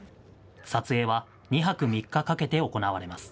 撮影は２泊３日かけて行われます。